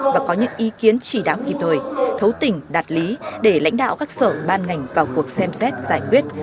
và có những ý kiến chỉ đáo kịp thời thấu tình đạt lý để lãnh đạo các sở ban ngành vào cuộc xem xét giải quyết